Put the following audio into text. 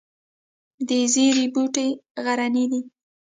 د زیرې بوټی غرنی دی